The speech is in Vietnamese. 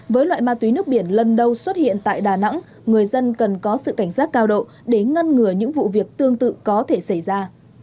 với loại ma túy nước biển lần đầu xuất hiện tại đà nẵng người dân cần có sự cảnh giác cao độ để ngăn ngừa những vụ việc tương tự có thể xảy ra